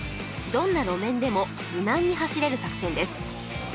どんな路面でも無難に走れる作戦です